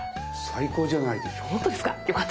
最高じゃないですか。